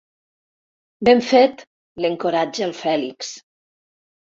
Ben fet —l'encoratja el Fèlix.